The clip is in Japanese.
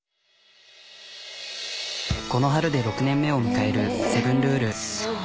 この春で６年目を迎える「セブンルール」。